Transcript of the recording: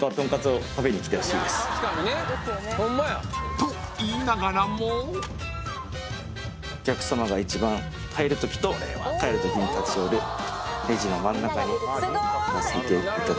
［と言いながらも］お客さまが一番入るときと帰るときに立ち寄るレジの真ん中に貼らせていただきます。